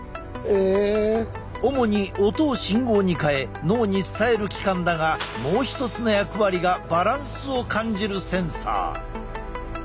主に音を信号に変え脳に伝える器官だがもう一つの役割がバランスを感じるセンサー。